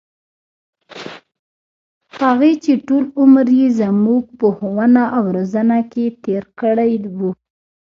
هغـې چـې ټـول عـمر يـې زمـوږ په ښـوونه او روزنـه کـې تېـر کـړى و.